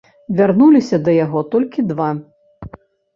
Вярнуліся да яго толькі два.